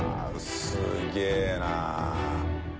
すげえなあ。